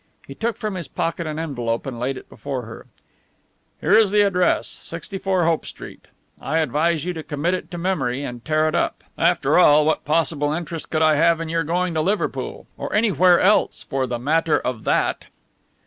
He took from his pocket an envelope and laid it before her. "Here is the address 64 Hope Street. I advise you to commit it to memory and tear it up. After all, what possible interest could I have in your going to Liverpool, or anywhere else for the matter of that?"